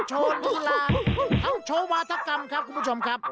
โชว์ลีลาทั้งโชว์วาธกรรมครับคุณผู้ชมครับ